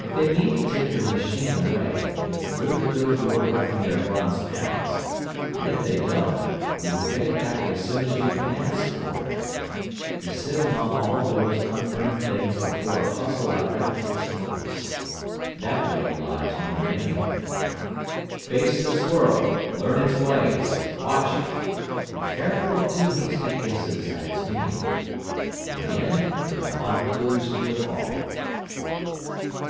If they mean to take your machine away, it's little good your wrecking their bronze panels, and if they don't, you will get it back as soon as you can ask for it. To sit among all those unknown things before a puzzle like that is hopeless. That way lies monomania. Face this world. Learn its ways, watch it, be careful of too hasty guesses at its meaning. In the end you will find clues to it all.